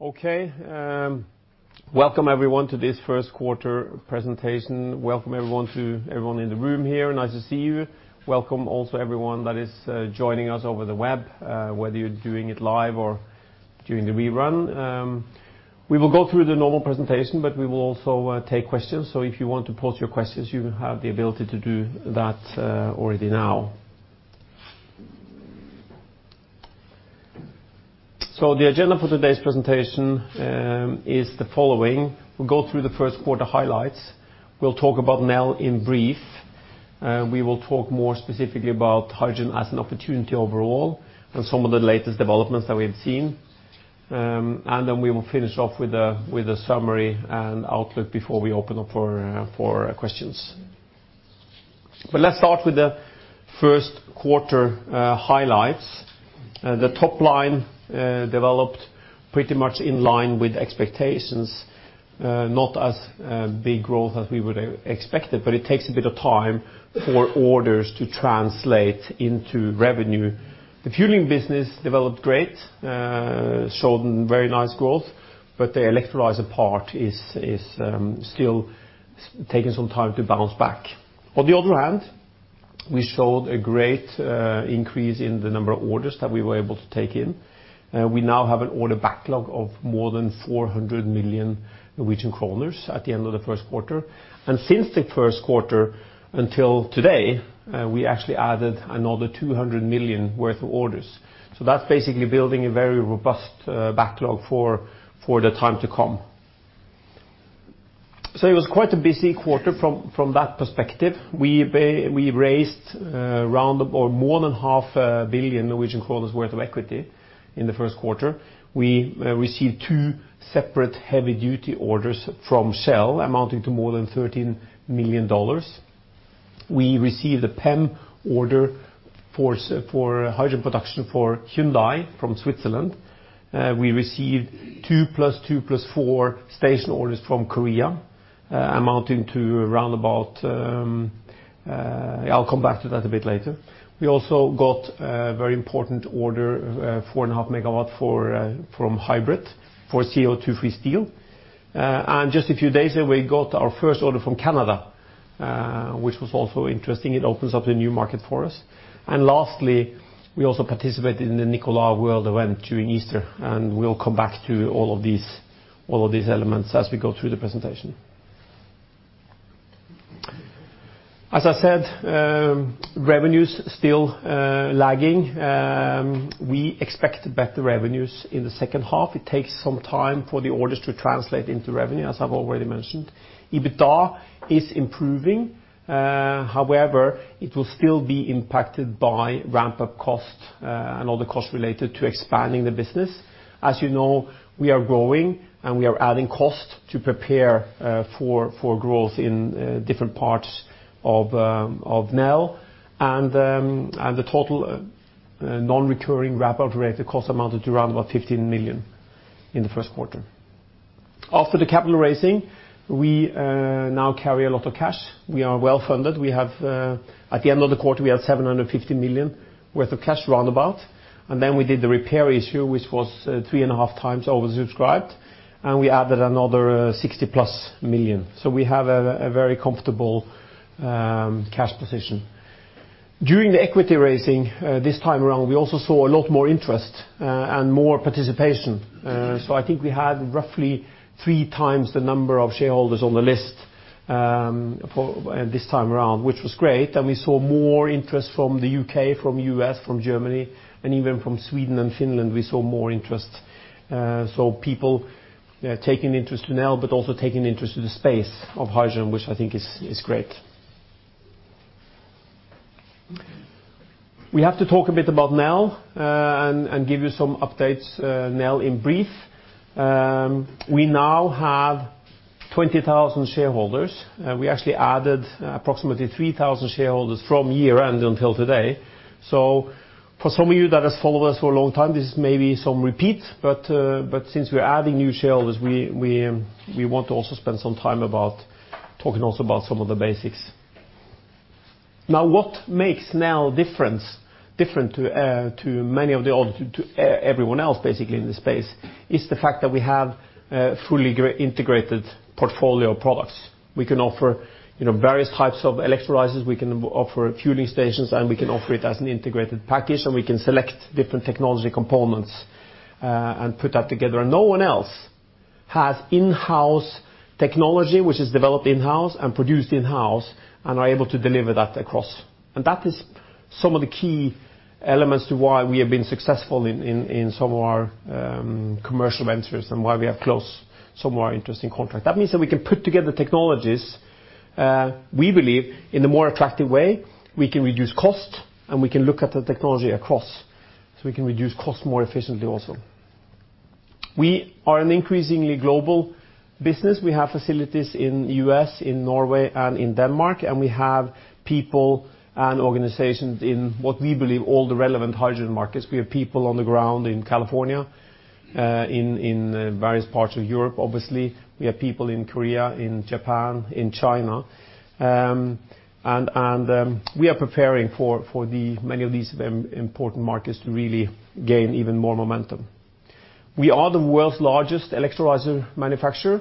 Welcome, everyone, to this first quarter presentation. Welcome, everyone in the room here. Nice to see you. Welcome also, everyone that is joining us over the web, whether you're doing it live or during the rerun. We will go through the normal presentation, but we will also take questions, so if you want to pose your questions, you have the ability to do that already now. The agenda for today's presentation is the following. We'll go through the first quarter highlights. We'll talk about Nel in brief. We will talk more specifically about hydrogen as an opportunity overall and some of the latest developments that we have seen. We will finish off with a summary and outlook before we open up for questions. Let's start with the first quarter highlights. The top line developed pretty much in line with expectations, not as big growth as we would expected, but it takes a bit of time for orders to translate into revenue. The fueling business developed great, showed very nice growth, but the electrolyzer part is still taking some time to bounce back. On the other hand, we showed a great increase in the number of orders that we were able to take in. We now have an order backlog of more than 400 million Norwegian kroner at the end of the first quarter. Since the first quarter until today, we actually added another 200 million worth of orders. That's basically building a very robust backlog for the time to come. It was quite a busy quarter from that perspective. We raised around or more than half a billion NOK worth of equity in the first quarter. We received two separate heavy-duty orders from Shell amounting to more than $13 million. We received a PEM order for hydrogen production for Hyundai from Switzerland. We received two plus two plus four station orders from Korea. I'll come back to that a bit later. We also got a very important order, four and a half MW from HYBRIT for CO2-free steel. Just a few days ago, we got our first order from Canada, which was also interesting. It opens up a new market for us. Lastly, we also participated in the Nikola World event during Easter. We'll come back to all of these elements as we go through the presentation. As I said, revenue's still lagging. We expect better revenues in the second half. It takes some time for the orders to translate into revenue, as I've already mentioned. EBITDA is improving. However, it will still be impacted by ramp-up costs and all the costs related to expanding the business. As you know, we are growing, and we are adding cost to prepare for growth in different parts of Nel. The total non-recurring ramp-up related cost amounted to around about 15 million in the first quarter. After the capital raising, we now carry a lot of cash. We are well-funded. At the end of the quarter, we had 750 million worth of cash, roundabout. We did the repair issue, which was three and a half times oversubscribed, and we added another 60-plus million. We have a very comfortable cash position. During the equity raising this time around, we also saw a lot more interest and more participation. I think we had roughly three times the number of shareholders on the list this time around, which was great. We saw more interest from the U.K., from U.S., from Germany, and even from Sweden and Finland, we saw more interest. People taking interest to Nel, but also taking interest in the space of hydrogen, which I think is great. We have to talk a bit about Nel and give you some updates, Nel in brief. We now have 20,000 shareholders. We actually added approximately 3,000 shareholders from year-end until today. For some of you that has followed us for a long time, this is maybe some repeat, but since we're adding new shareholders, we want to also spend some time talking also about some of the basics. What makes Nel different to everyone else, basically, in this space, is the fact that we have a fully integrated portfolio of products. We can offer various types of electrolyzers, we can offer fueling stations, and we can offer it as an integrated package, and we can select different technology components and put that together. No one else has in-house technology which is developed in-house and produced in-house and are able to deliver that across. That is some of the key elements to why we have been successful in some of our commercial ventures and why we have closed some of our interesting contract. That means that we can put together technologies, we believe, in a more attractive way. We can reduce cost, and we can look at the technology across, so we can reduce cost more efficiently also. We are an increasingly global business. We have facilities in U.S., in Norway, and in Denmark, and we have people and organizations in what we believe all the relevant hydrogen markets. We have people on the ground in California, in various parts of Europe, obviously. We have people in Korea, in Japan, in China. We are preparing for many of these important markets to really gain even more momentum. We are the world's largest electrolyzer manufacturer.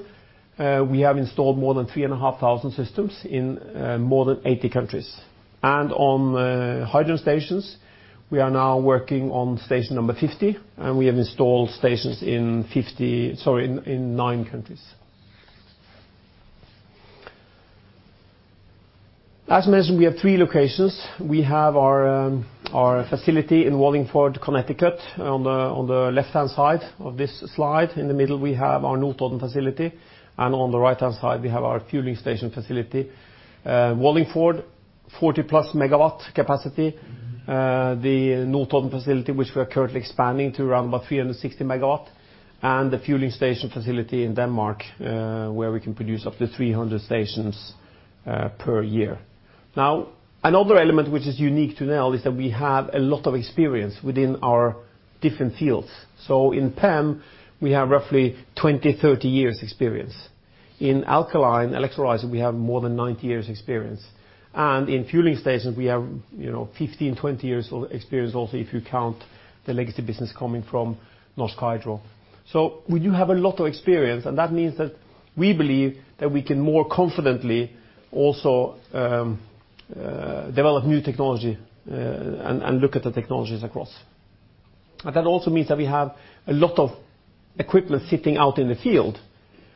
We have installed more than 3,500 systems in more than 80 countries. On hydrogen stations, we are now working on station number 50, and we have installed stations in 9 countries. As mentioned, we have 3 locations. We have our facility in Wallingford, Connecticut, on the left-hand side of this slide. In the middle, we have our Notodden facility, and on the right-hand side, we have our fueling station facility. Wallingford, 40-plus megawatt capacity. The Notodden facility, which we are currently expanding to around about 360 megawatt, and the fueling station facility in Denmark, where we can produce up to 300 stations per year. Another element which is unique to Nel is that we have a lot of experience within our different fields. In PEM, we have roughly 20, 30 years experience. In alkaline electrolyzer, we have more than 90 years experience. In fueling stations, we have 15, 20 years of experience also if you count the legacy business coming from Norsk Hydro. We do have a lot of experience, and that means that we believe that we can more confidently also develop new technology and look at the technologies across. That also means that we have a lot of equipment sitting out in the field,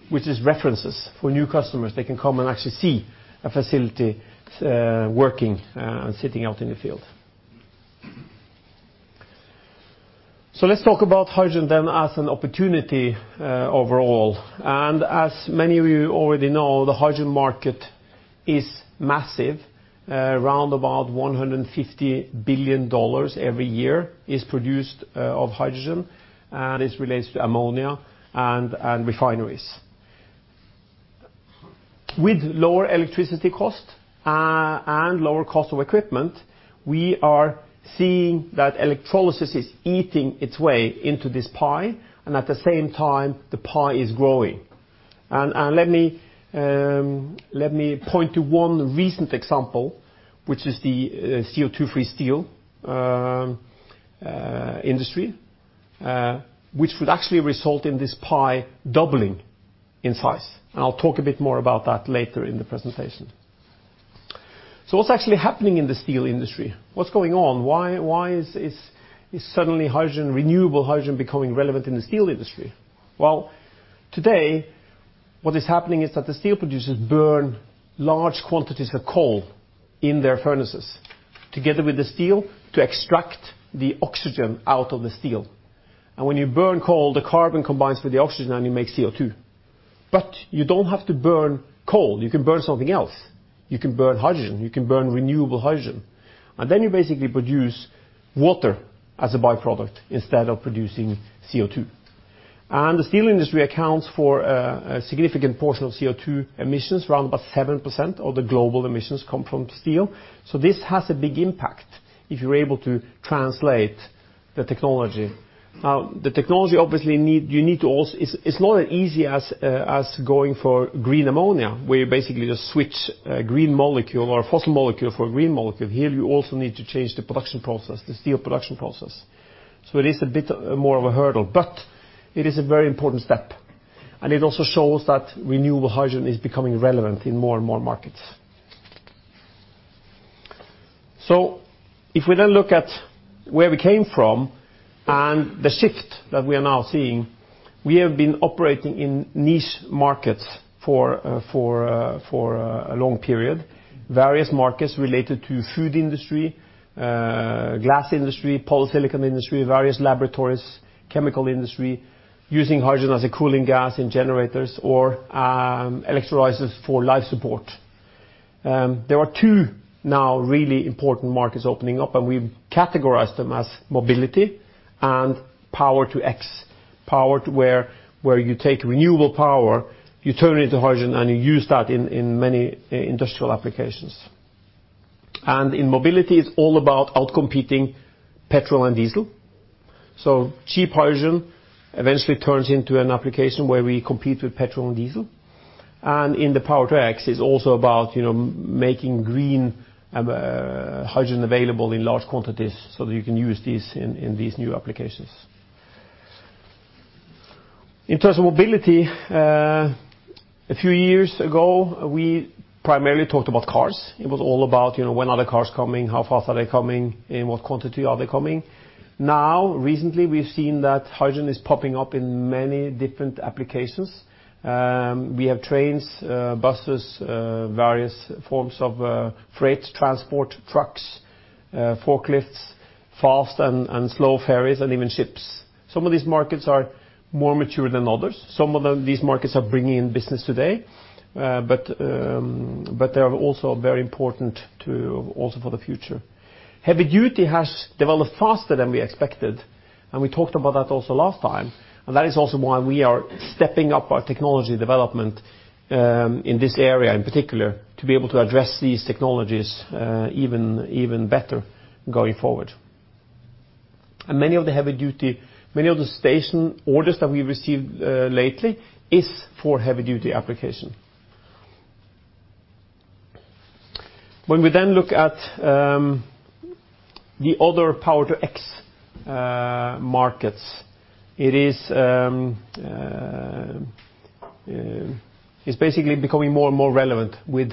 which is references for new customers. They can come and actually see a facility working and sitting out in the field. Let's talk about hydrogen then as an opportunity overall. As many of you already know, the hydrogen market is massive. Around about NOK 150 billion every year is produced of hydrogen and is related to ammonia and refineries. With lower electricity cost and lower cost of equipment, we are seeing that electrolysis is eating its way into this pie, and at the same time, the pie is growing. Let me point to one recent example, which is the CO2-free steel industry, which would actually result in this pie doubling in size. I will talk a bit more about that later in the presentation. What is actually happening in the steel industry? What is going on? Why is suddenly renewable hydrogen becoming relevant in the steel industry? Well, today, what is happening is that the steel producers burn large quantities of coal in their furnaces together with the steel to extract the oxygen out of the steel. When you burn coal, the carbon combines with the oxygen and you make CO2. You don't have to burn coal. You can burn something else. You can burn hydrogen. You can burn renewable hydrogen. Then you basically produce water as a by-product instead of producing CO2. The steel industry accounts for a significant portion of CO2 emissions. Around about 7% of the global emissions come from steel. This has a big impact if you are able to translate the technology. The technology, obviously, it is not as easy as going for green ammonia, where you basically just switch a green molecule or a fossil molecule for a green molecule. Here, you also need to change the production process, the steel production process. It is a bit more of a hurdle, but it is a very important step, and it also shows that renewable hydrogen is becoming relevant in more and more markets. If we then look at where we came from and the shift that we are now seeing, we have been operating in niche markets for a long period. Various markets related to food industry, glass industry, polysilicon industry, various laboratories, chemical industry, using hydrogen as a cooling gas in generators or electrolyzers for life support. There are two now really important markets opening up, and we categorize them as mobility and Power-to-X. Power where you take renewable power, you turn it into hydrogen, and you use that in many industrial applications. In mobility, it is all about outcompeting petrol and diesel. Cheap hydrogen eventually turns into an application where we compete with petrol and diesel. In the Power-to-X, it is also about making green hydrogen available in large quantities so that you can use these in these new applications. In terms of mobility, a few years ago, we primarily talked about cars. It was all about when are the cars coming? How fast are they coming? In what quantity are they coming? Recently, we have seen that hydrogen is popping up in many different applications. We have trains, buses, various forms of freight transport, trucks, forklifts, fast and slow ferries, and even ships. Some of these markets are more mature than others. Some of these markets are bringing in business today, but they are also very important also for the future. Heavy duty has developed faster than we expected, and we talked about that also last time. That is also why we are stepping up our technology development in this area in particular, to be able to address these technologies even better going forward. Many of the station orders that we received lately is for heavy-duty application. When we then look at the other Power-to-X markets, it's basically becoming more and more relevant with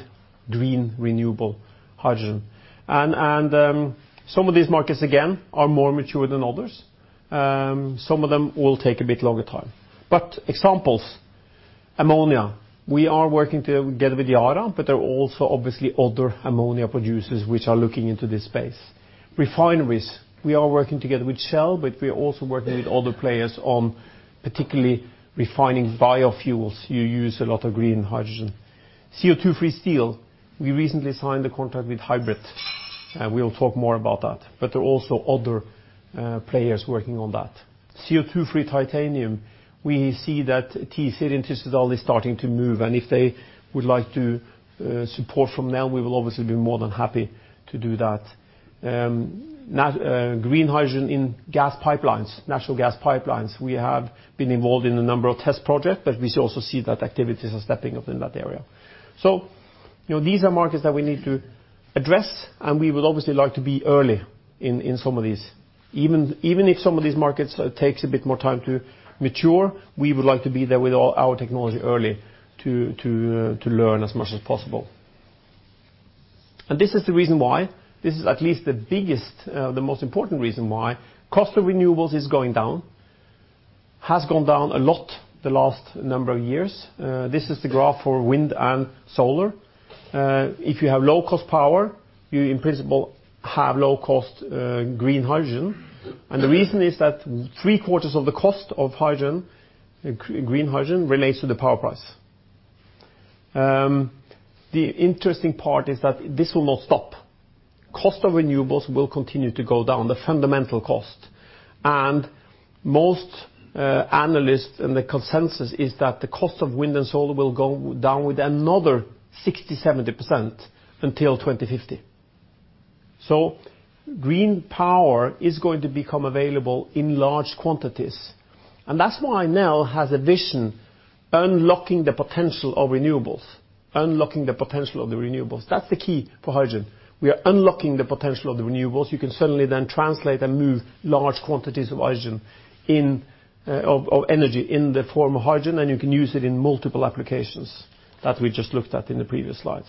green renewable hydrogen. Some of these markets, again, are more mature than others. Some of them will take a bit longer time. Examples, ammonia, we are working together with Yara, but there are also obviously other ammonia producers which are looking into this space. Refineries, we are working together with Shell, but we are also working with other players on particularly refining biofuels. You use a lot of green hydrogen. CO2-free steel, we recently signed a contract with HYBRIT, we will talk more about that. There are also other players working on that. CO2-free titanium, we see that TiZir and Tyssedal is starting to move, if they would like to support from Nel, we will obviously be more than happy to do that. Green hydrogen in gas pipelines, natural gas pipelines, we have been involved in a number of test projects, we also see that activities are stepping up in that area. These are markets that we need to address, we would obviously like to be early in some of these. Even if some of these markets takes a bit more time to mature, we would like to be there with all our technology early to learn as much as possible. This is the reason why. This is at least the biggest, the most important reason why cost of renewables is going down, has gone down a lot the last number of years. This is the graph for wind and solar. If you have low-cost power, you in principle have low-cost green hydrogen. The reason is that three quarters of the cost of green hydrogen relates to the power price. The interesting part is that this will not stop. Cost of renewables will continue to go down, the fundamental cost. Most analysts and the consensus is that the cost of wind and solar will go down with another 60%-70% until 2050. Green power is going to become available in large quantities, that's why Nel has a vision, unlocking the potential of renewables. Unlocking the potential of the renewables. That's the key for hydrogen. We are unlocking the potential of the renewables. You can suddenly then translate and move large quantities of energy in the form of hydrogen, you can use it in multiple applications that we just looked at in the previous slides.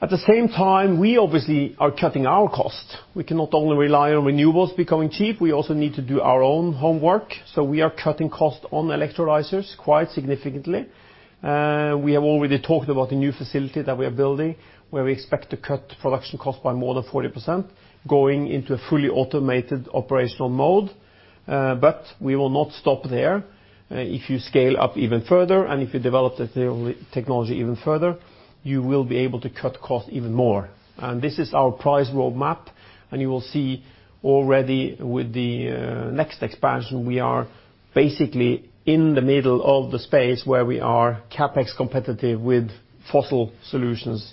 At the same time, we obviously are cutting our costs. We cannot only rely on renewables becoming cheap, we also need to do our own homework. We are cutting costs on electrolyzers quite significantly. We have already talked about the new facility that we are building, where we expect to cut production costs by more than 40%, going into a fully automated operational mode. We will not stop there. If you scale up even further and if you develop the technology even further, you will be able to cut costs even more. This is our price roadmap. You will see already with the next expansion, we are basically in the middle of the space where we are CapEx competitive with fossil solutions.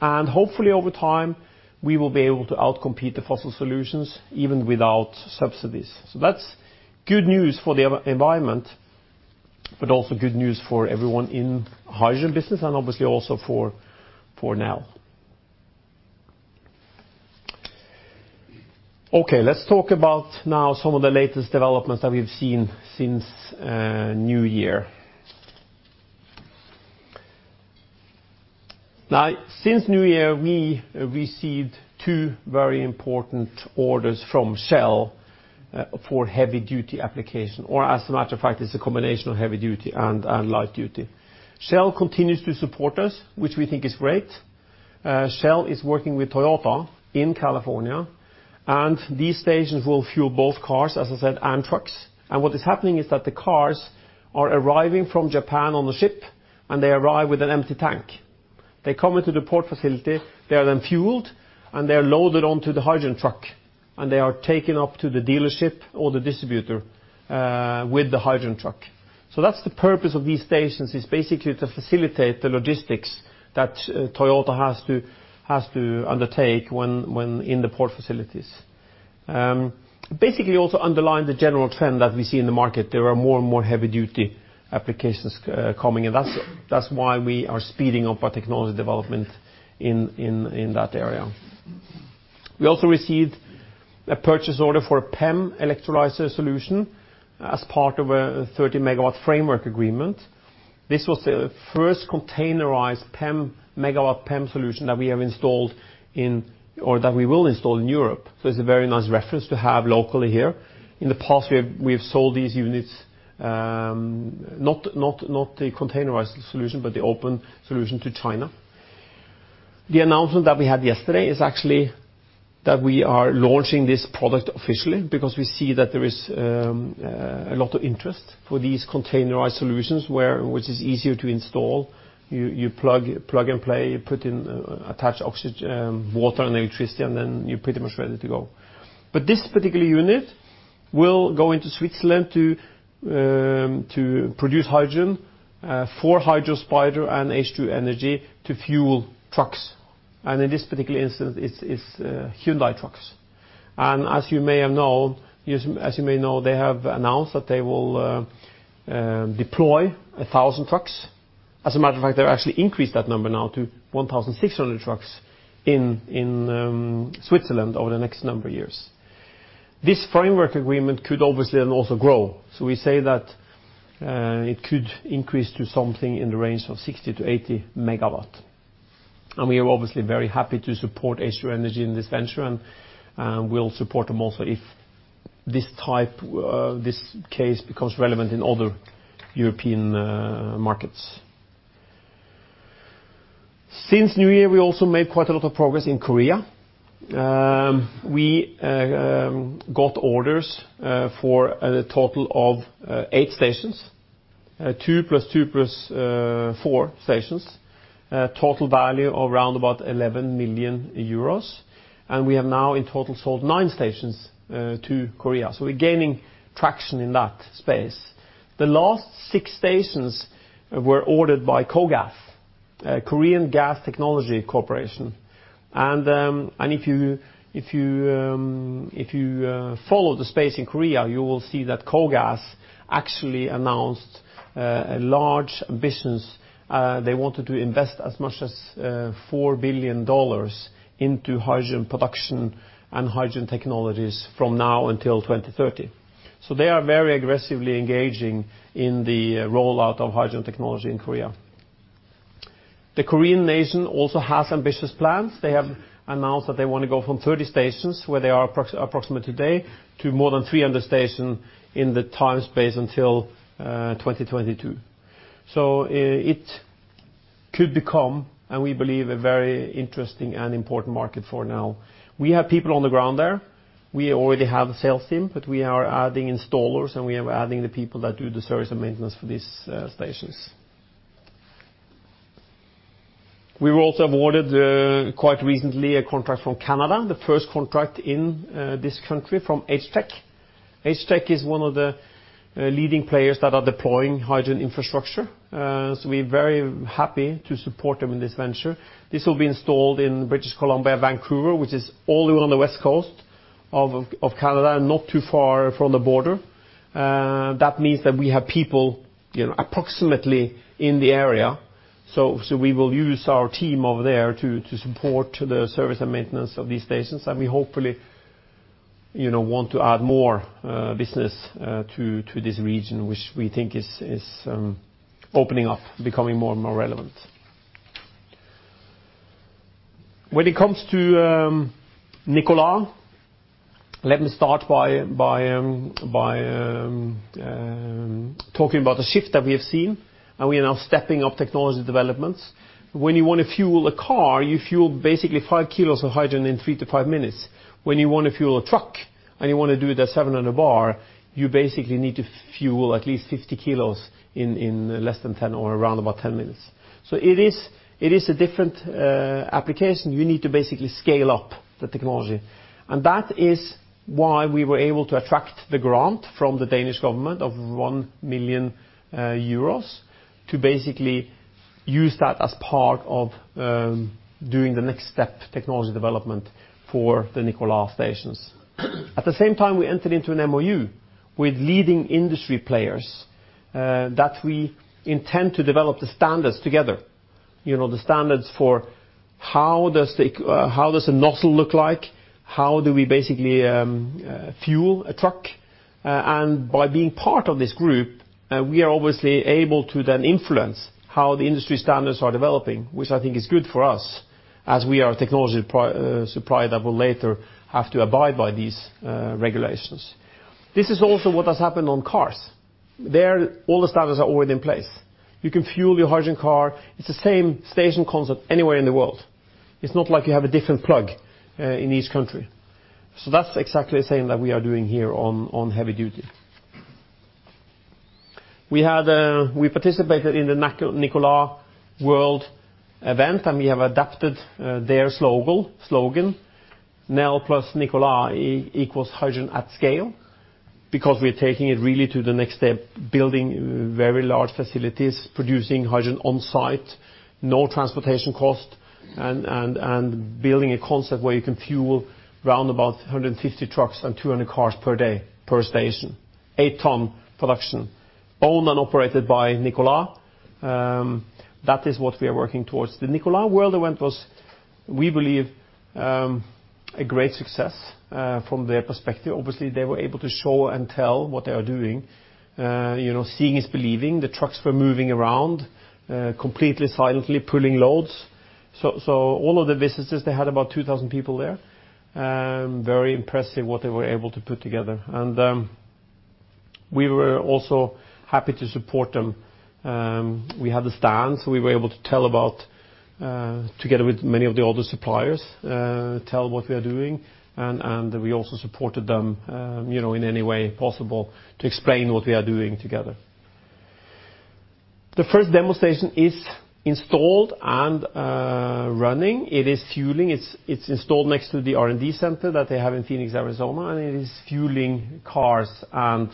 Hopefully over time, we will be able to outcompete the fossil solutions even without subsidies. That's good news for the environment, but also good news for everyone in hydrogen business and obviously also for Nel. Let's talk about now some of the latest developments that we've seen since New Year. Since New Year, we received two very important orders from Shell for heavy-duty application, or as a matter of fact, it's a combination of heavy duty and light duty. Shell continues to support us, which we think is great. Shell is working with Toyota in California, and these stations will fuel both cars, as I said, and trucks. What is happening is that the cars are arriving from Japan on the ship, and they arrive with an empty tank. They come into the port facility, they are then fueled, and they are loaded onto the hydrogen truck, and they are taken up to the dealership or the distributor with the hydrogen truck. That's the purpose of these stations, is basically to facilitate the logistics that Toyota has to undertake in the port facilities. Basically also underlying the general trend that we see in the market, there are more and more heavy-duty applications coming, and that's why we are speeding up our technology development in that area. We also received a purchase order for a PEM electrolyzer solution as part of a 30 MW framework agreement. This was the first containerized MW PEM solution that we will install in Europe. It's a very nice reference to have locally here. In the past, we have sold these units, not the containerized solution, but the open solution to China. The announcement that we had yesterday is actually that we are launching this product officially because we see that there is a lot of interest for these containerized solutions, which is easier to install. You plug and play, attach water and electricity, and then you're pretty much ready to go. But this particular unit will go into Switzerland to produce hydrogen for Hydrospider and H2 Energy to fuel trucks, and in this particular instance, it's Hyundai trucks. As you may know, they have announced that they will deploy 1,000 trucks. As a matter of fact, they've actually increased that number now to 1,600 trucks in Switzerland over the next number of years. This framework agreement could obviously also grow. So we say that it could increase to something in the range of 60-80 MW. We are obviously very happy to support H2 Energy in this venture, and we'll support them also if this case becomes relevant in other European markets. Since New Year, we also made quite a lot of progress in Korea. We got orders for a total of 8 stations, 2 plus 2 plus 4 stations, total value of around about 11 million euros. We have now in total sold 9 stations to Korea. So we're gaining traction in that space. The last 6 stations were ordered by KOGAS, Korea Gas Technology Corporation. If you follow the space in Korea, you will see that KOGAS actually announced large ambitions. They wanted to invest as much as NOK 4 billion into hydrogen production and hydrogen technologies from now until 2030. They are very aggressively engaging in the rollout of hydrogen technology in Korea. The Korean nation also has ambitious plans. They have announced that they want to go from 30 stations, where they are approximately today, to more than 300 stations in the time space until 2022. It could become, and we believe, a very interesting and important market for Nel. We have people on the ground there. We already have a sales team, but we are adding installers, and we are adding the people that do the service and maintenance for these stations. We were also awarded, quite recently, a contract from Canada, the first contract in this country from HTEC. HTEC is one of the leading players that are deploying hydrogen infrastructure. We are very happy to support them in this venture. This will be installed in British Columbia, Vancouver, which is all the way on the west coast of Canada, not too far from the border. That means that we have people approximately in the area. We will use our team over there to support the service and maintenance of these stations. We hopefully want to add more business to this region, which we think is opening up, becoming more and more relevant. When it comes to Nikola, let me start by talking about the shift that we have seen, and we are now stepping up technology developments. When you want to fuel a car, you fuel basically five kilos of hydrogen in three to five minutes. When you want to fuel a truck, and you want to do it at 700 bar, you basically need to fuel at least 50 kilos in less than 10 or around about 10 minutes. It is a different application. You need to basically scale up the technology. That is why we were able to attract the grant from the Danish government of 1 million euros to basically use that as part of doing the next step technology development for the Nikola stations. At the same time, we entered into an MoU with leading industry players that we intend to develop the standards together. The standards for how does a nozzle look like? How do we basically fuel a truck? By being part of this group, we are obviously able to then influence how the industry standards are developing, which I think is good for us, as we are a technology supplier that will later have to abide by these regulations. This is also what has happened on cars. There, all the standards are already in place. You can fuel your hydrogen car. It's the same station concept anywhere in the world. It's not like you have a different plug in each country. That's exactly the same that we are doing here on heavy duty. We participated in the Nikola World event. We have adapted their slogan, "Nel plus Nikola equals hydrogen at scale," because we are taking it really to the next step, building very large facilities, producing hydrogen on site, no transportation cost, and building a concept where you can fuel around about 150 trucks and 200 cars per day, per station. Eight ton production, owned and operated by Nikola. That is what we are working towards. The Nikola World event was, we believe, a great success from their perspective. Obviously, they were able to show and tell what they are doing. Seeing is believing. The trucks were moving around, completely silently pulling loads. All of the visitors, they had about 2,000 people there, very impressive what they were able to put together. We were also happy to support them. We had a stand, we were able to tell about, together with many of the other suppliers, tell what we are doing. We also supported them in any way possible to explain what we are doing together. The first demo station is installed and running. It is fueling. It is installed next to the R&D center that they have in Phoenix, Arizona, and it is fueling cars and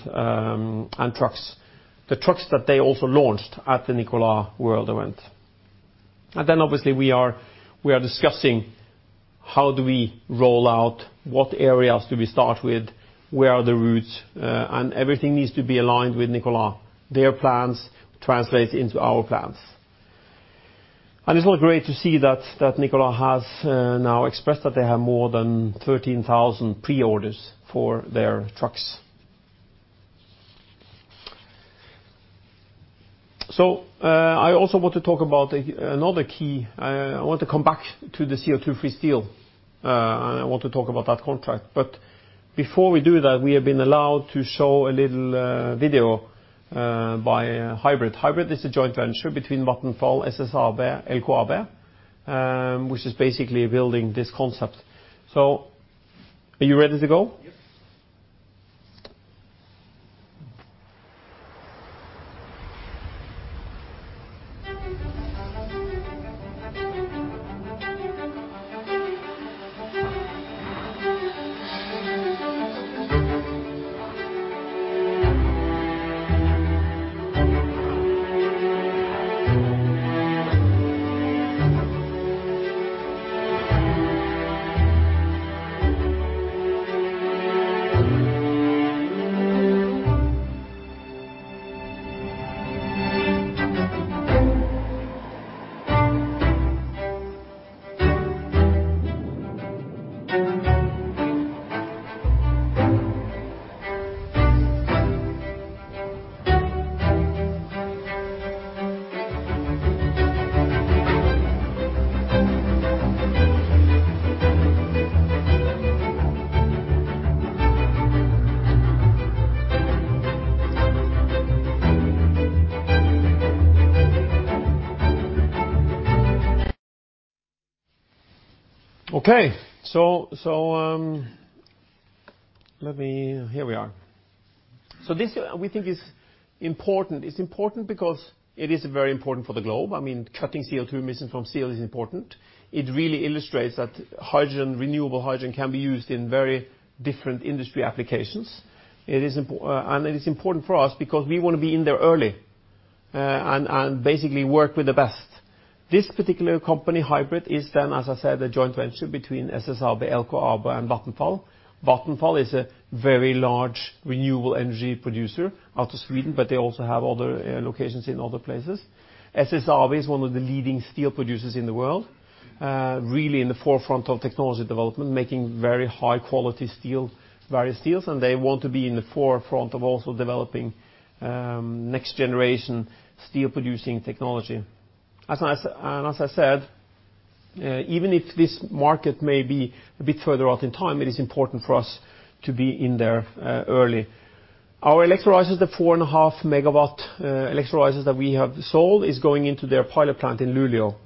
trucks, the trucks that they also launched at the Nikola World event. Then obviously, we are discussing how do we roll out, what areas do we start with, where are the roots? Everything needs to be aligned with Nikola. Their plans translate into our plans. It is also great to see that Nikola has now expressed that they have more than 13,000 pre-orders for their trucks. I also want to talk about another key. I want to come back to the CO2-free steel, I want to talk about that contract. Before we do that, we have been allowed to show a little video by HYBRIT. HYBRIT is a joint venture between Vattenfall, SSAB, LKAB, which is basically building this concept. Are you ready to go? Yes. Here we are. This, we think, is important. It is important because it is very important for the globe. Cutting CO2 emissions from steel is important. It really illustrates that renewable hydrogen can be used in very different industry applications. It is important for us because we want to be in there early, and basically work with the best. This particular company, HYBRIT, is, as I said, a joint venture between SSAB, LKAB, and Vattenfall. Vattenfall is a very large renewable energy producer out of Sweden, but they also have other locations in other places. SSAB is one of the leading steel producers in the world, really in the forefront of technology development, making very high quality steel, various steels. They want to be in the forefront of also developing next generation steel-producing technology. As I said, even if this market may be a bit further out in time, it is important for us to be in there early. Our electrolyzers, the 4.5 megawatt electrolyzers that we have sold, is going into their pilot plant in Luleå,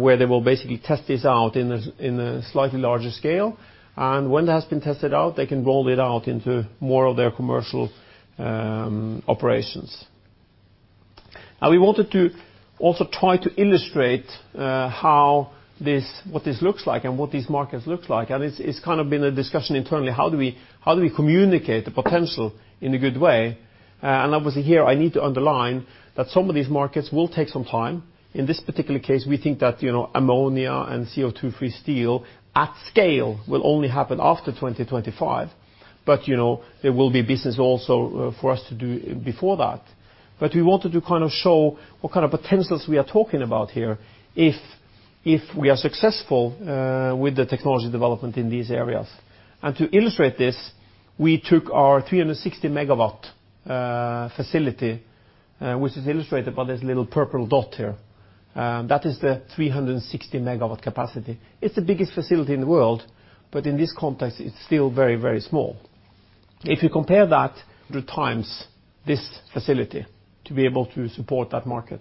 where they will basically test this out in a slightly larger scale. When that has been tested out, they can roll it out into more of their commercial operations. We wanted to also try to illustrate what this looks like and what these markets look like. It's kind of been a discussion internally, how do we communicate the potential in a good way? Obviously here, I need to underline that some of these markets will take some time. In this particular case, we think that ammonia and CO2-free steel at scale will only happen after 2025, but there will be business also for us to do before that. We wanted to show what kind of potentials we are talking about here if we are successful with the technology development in these areas. To illustrate this, we took our 360 MW facility, which is illustrated by this little purple dot here. That is the 360 MW capacity. It's the biggest facility in the world, but in this context, it's still very small. If you compare that, the times this facility to be able to support that market.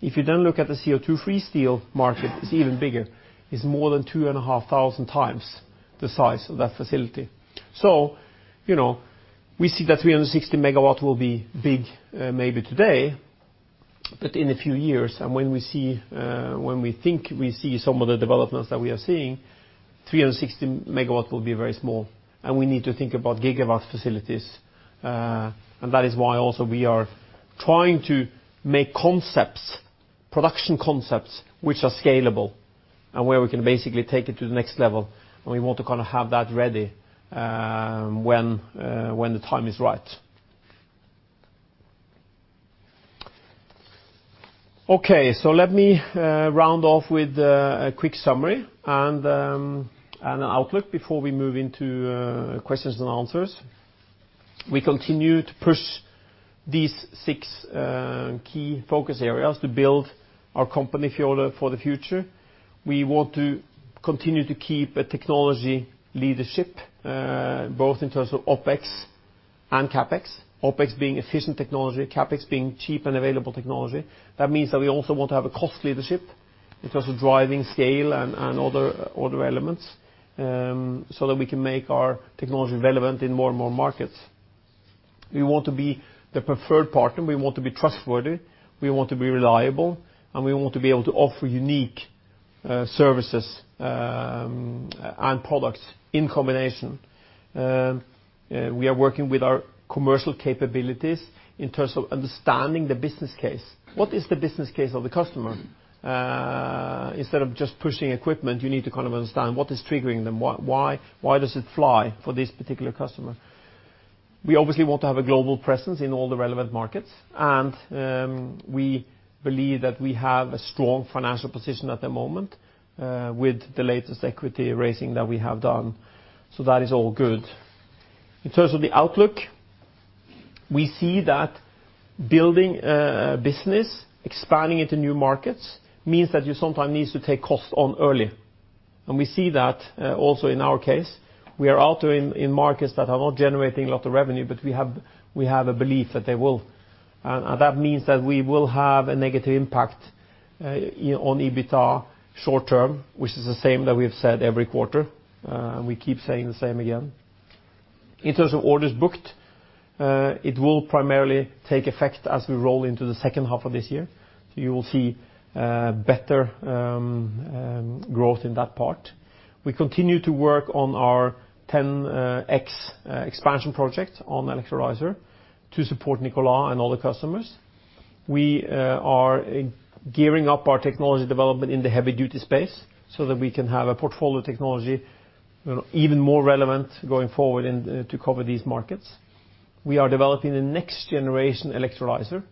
If you then look at the CO2-free steel market, it's even bigger. It's more than 2,500 times the size of that facility. We see that 360 MW will be big maybe today, but in a few years, and when we think we see some of the developments that we are seeing, 360 MW will be very small, and we need to think about gigawatts facilities. That is why also we are trying to make production concepts which are scalable and where we can basically take it to the next level, and we want to have that ready when the time is right. Let me round off with a quick summary and an outlook before we move into questions and answers. We continue to push these six key focus areas to build our company, fuel, for the future. We want to continue to keep a technology leadership, both in terms of OpEx and CapEx, OpEx being efficient technology, CapEx being cheap and available technology. That means that we also want to have a cost leadership in terms of driving scale and other elements, so that we can make our technology relevant in more and more markets. We want to be the preferred partner. We want to be trustworthy. We want to be reliable. We want to be able to offer unique services and products in combination. We are working with our commercial capabilities in terms of understanding the business case. What is the business case of the customer? Instead of just pushing equipment, you need to understand what is triggering them. Why does it fly for this particular customer? We obviously want to have a global presence in all the relevant markets, and we believe that we have a strong financial position at the moment with the latest equity raising that we have done. That is all good. In terms of the outlook, we see that building a business, expanding into new markets, means that you sometimes need to take costs on early. We see that also in our case. We are out in markets that are not generating a lot of revenue, but we have a belief that they will. That means that we will have a negative impact on EBITDA short-term, which is the same that we've said every quarter. We keep saying the same again. In terms of orders booked, it will primarily take effect as we roll into the second half of this year. You will see better growth in that part. We continue to work on our 10X expansion project on electrolyzer to support Nikola and all the customers. We are gearing up our technology development in the heavy-duty space so that we can have a portfolio of technology even more relevant going forward to cover these markets. We are developing the next generation electrolyzer.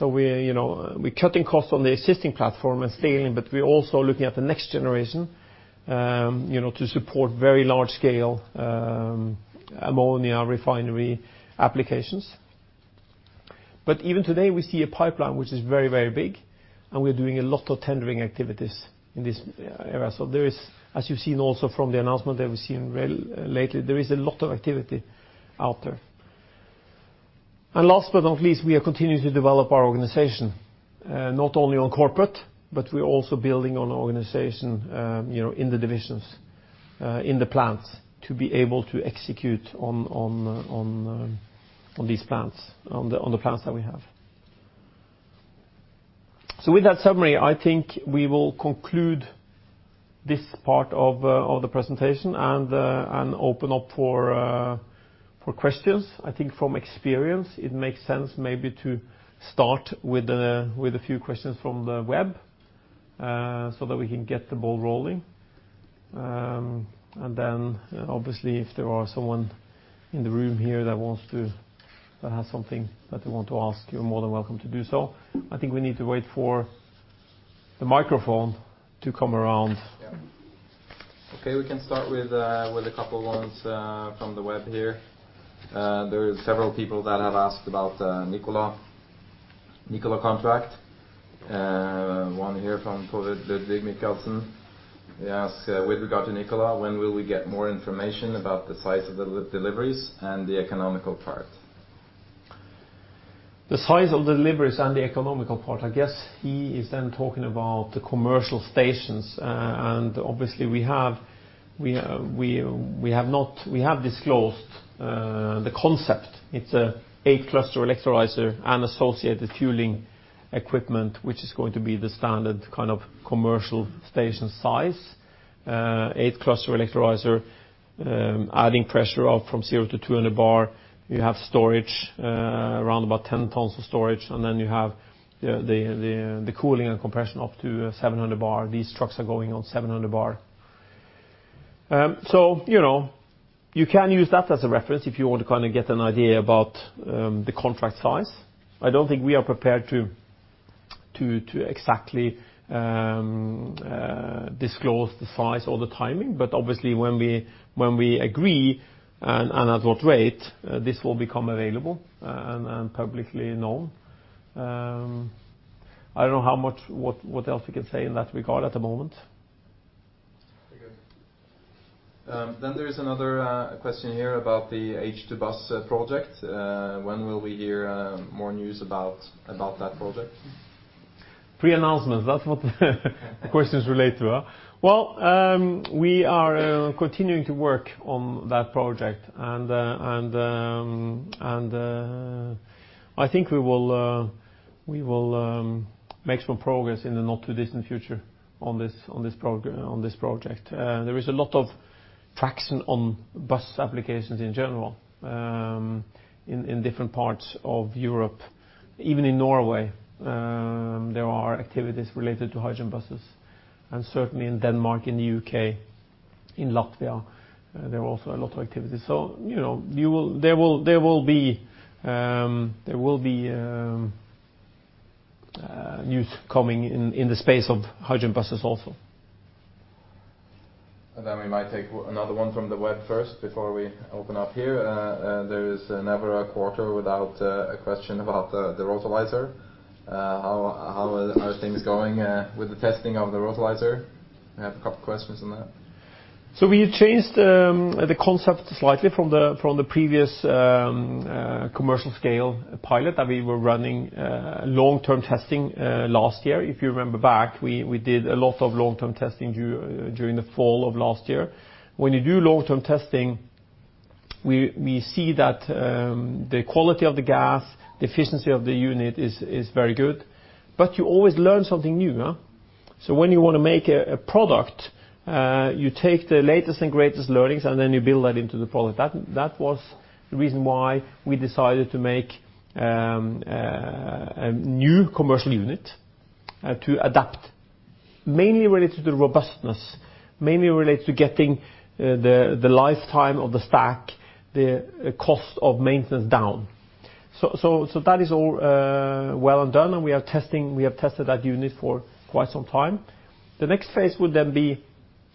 We're cutting costs on the existing platform and scaling, but we're also looking at the next generation to support very large-scale ammonia refinery applications. Even today, we see a pipeline which is very, very big, and we're doing a lot of tendering activities in this area. There is, as you've seen also from the announcement that we've seen lately, there is a lot of activity out there. Last but not least, we are continuing to develop our organization, not only on corporate, but we're also building on organization in the divisions, in the plants, to be able to execute on these plants, on the plants that we have. With that summary, I think we will conclude this part of the presentation and open up for questions. I think from experience, it makes sense maybe to start with a few questions from the web so that we can get the ball rolling. Then obviously, if there are someone in the room here that has something that they want to ask, you're more than welcome to do so. I think we need to wait for the microphone to come around. Yeah. Okay. We can start with a couple ones from the web here. There are several people that have asked about Nikola contract. One here from Torild Ludvig Mikkelsen. He asks, "With regard to Nikola, when will we get more information about the size of the deliveries and the economical part? The size of the deliveries and the economical part, I guess he is then talking about the commercial stations. Obviously we have disclosed the concept. It's an eight-cluster electrolyzer and associated fueling equipment, which is going to be the standard commercial station size. Eight-cluster electrolyzer, adding pressure from 0 to 200 bar. You have storage, around about 10 tons of storage. Then you have the cooling and compression up to 700 bar. These trucks are going on 700 bar. You can use that as a reference if you want to get an idea about the contract size. I don't think we are prepared to exactly disclose the size or the timing. Obviously when we agree and at what rate, this will become available and publicly known. I don't know what else we can say in that regard at the moment. Okay. There is another question here about the H2 Bus project. When will we hear more news about that project? Pre-announcement, that's what the questions relate to, huh. Well, we are continuing to work on that project. I think we will make some progress in the not too distant future on this project. There is a lot of traction on bus applications in general in different parts of Europe. Even in Norway, there are activities related to hydrogen buses. Certainly in Denmark, in the U.K., in Latvia, there are also a lot of activities. There will be news coming in the space of hydrogen buses also. We might take another one from the web first before we open up here. There is never a quarter without a question about the RotoLyzer. How are things going with the testing of the RotoLyzer? I have a couple questions on that. We changed the concept slightly from the previous commercial scale pilot that we were running long-term testing last year. If you remember back, we did a lot of long-term testing during the fall of last year. When you do long-term testing, we see that the quality of the gas, the efficiency of the unit is very good, but you always learn something new. When you want to make a product, you take the latest and greatest learnings, and then you build that into the product. That was the reason why we decided to make a new commercial unit to adapt, mainly related to robustness, mainly related to getting the lifetime of the stack, the cost of maintenance down. That is all well and done, and we have tested that unit for quite some time. The next phase would be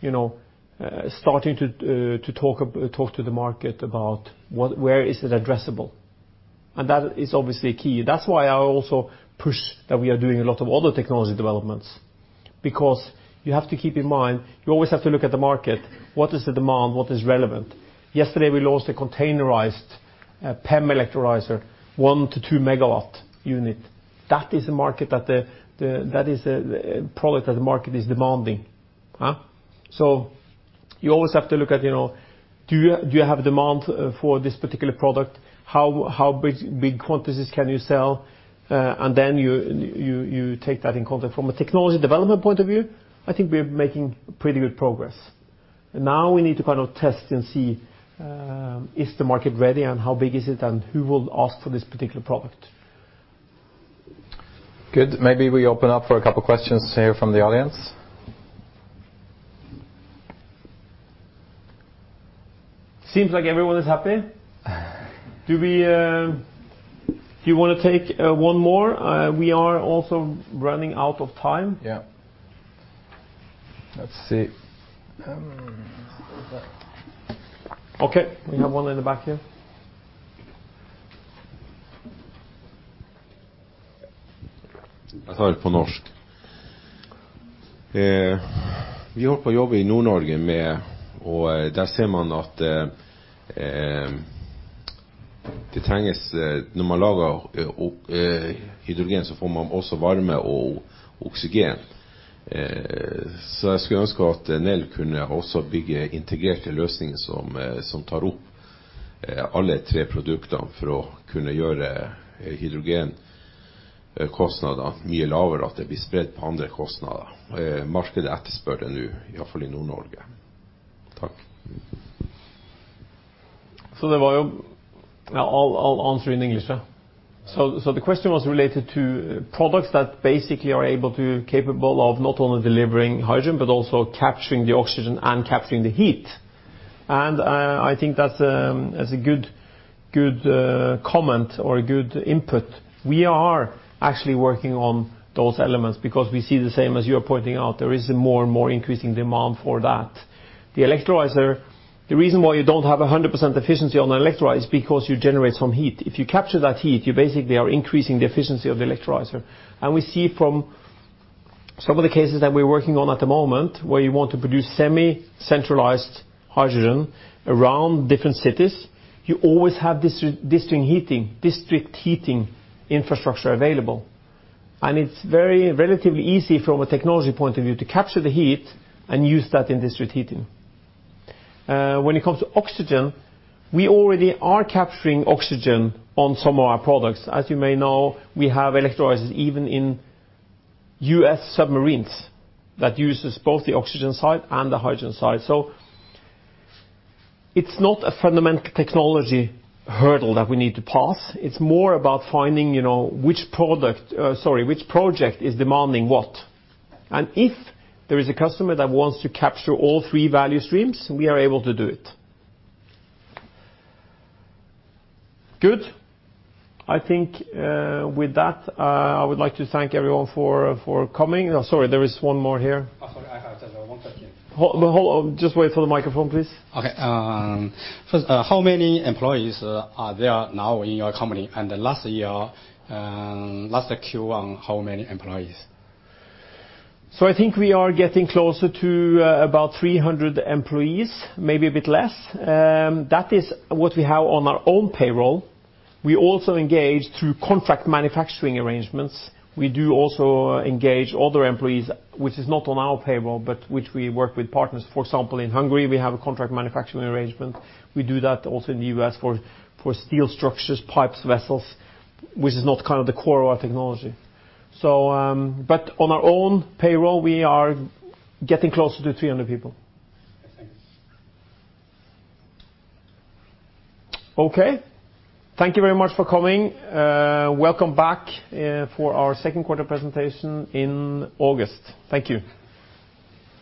starting to talk to the market about where is it addressable. That is obviously a key. That's why I also push that we are doing a lot of other technology developments, because you have to keep in mind, you always have to look at the market, what is the demand, what is relevant? Yesterday, we launched a containerized PEM electrolyzer, one to two megawatt unit. That is a product that the market is demanding. You always have to look at do you have demand for this particular product? How big quantities can you sell? You take that in context. From a technology development point of view, I think we're making pretty good progress. We need to test and see, is the market ready and how big is it, and who will ask for this particular product? Good. Maybe we open up for a couple questions here from the audience. Seems like everyone is happy. Do you want to take one more? We are also running out of time. Yeah. Let's see. Okay, we have one in the back here. I'll say it in Norwegian. We have been working in Northern Norway, and there we see that when you produce hydrogen, you also get heat and oxygen. I would like Nel to also build an integrated solution that utilizes all three products to reduce hydrogen costs significantly and spread them across other expenses. The market is demanding this, at least in Northern Norway. Thank you. I'll answer in English. The question was related to products that basically are capable of not only delivering hydrogen, but also capturing the oxygen and capturing the heat. I think that's a good comment or a good input. We are actually working on those elements because we see the same as you're pointing out. There is a more and more increasing demand for that. The electrolyzer, the reason why you don't have 100% efficiency on an electrolyzer is because you generate some heat. If you capture that heat, you basically are increasing the efficiency of the electrolyzer. We see from some of the cases that we're working on at the moment where you want to produce semi-centralized hydrogen around different cities, you always have district heating infrastructure available. It's very relatively easy from a technology point of view to capture the heat and use that in district heating. When it comes to oxygen, we already are capturing oxygen on some of our products. As you may know, we have electrolyzers even in U.S. submarines that uses both the oxygen side and the hydrogen side. It's not a fundamental technology hurdle that we need to pass. It's more about finding which project is demanding what. If there is a customer that wants to capture all three value streams, we are able to do it. Good. I think with that, I would like to thank everyone for coming. Sorry, there is one more here. Sorry, I have one question. Hold on. Just wait for the microphone, please. Okay. First, how many employees are there now in your company, and then last year, last Q, how many employees? I think we are getting closer to about 300 employees, maybe a bit less. That is what we have on our own payroll. We also engage through contract manufacturing arrangements. We do also engage other employees, which is not on our payroll, but which we work with partners. For example, in Hungary, we have a contract manufacturing arrangement. We do that also in the U.S. for steel structures, pipes, vessels, which is not the core of our technology. On our own payroll, we are getting closer to 300 people. Yes, thanks. Thank you very much for coming. Welcome back for our second quarter presentation in August. Thank you.